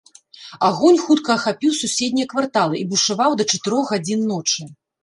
Агонь хутка ахапіў суседнія кварталы і бушаваў да чатырох гадзін ночы.